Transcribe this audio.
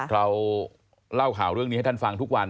เราเล่าข่าวเรื่องนี้ให้ท่านฟังทุกวัน